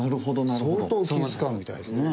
相当気ぃ使うみたいですね。